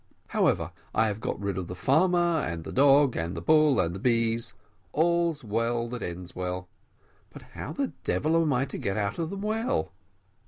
"However, I have got rid of the farmer, and the dog, and the bull, and the bees all's well that ends well but how the devil am I to get out of the well?